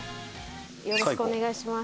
よろしくお願いします。